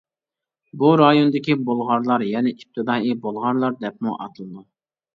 بۇ رايوندىكى بۇلغارلار يەنە ئىپتىدائىي بۇلغارلار دەپمۇ ئاتىلىدۇ.